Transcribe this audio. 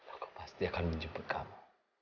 aku pasti akan menjemput kamu